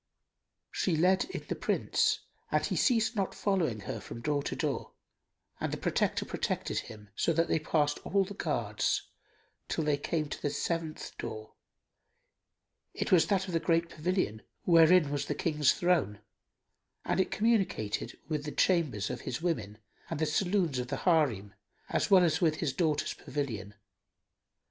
She led in the Prince and he ceased not following her from door to door, and the Protector protected them, so that they passed all the guards, till they came to the seventh door: it was that of the great pavilion, wherein was the King's throne, and it communicated with the chambers of his women and the saloons of the Harim, as well as with his daughter's pavilion.